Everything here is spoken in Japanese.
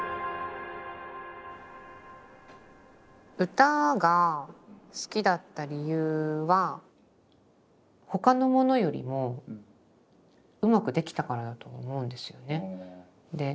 歌が好きだった理由は他のものよりもうまくできたからだと思うんですよね。